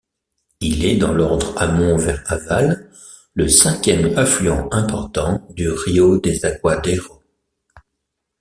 Il est, dans l'ordre amont vers aval, le cinquième affluent important du Río Desaguadero.